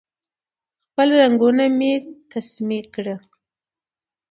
خپل رګونه مې تسمې کړې